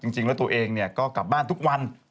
จริงแล้วตัวเองก็กลับบ้านทุกวัน